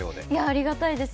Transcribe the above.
ありがたいです